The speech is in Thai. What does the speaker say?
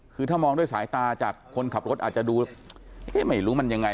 คือถ้ามองด้วยสายตาจากคนขับรถอาจจะดูเอ๊ะไม่รู้มันยังไง